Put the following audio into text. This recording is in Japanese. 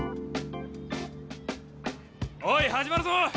おい始まるぞ！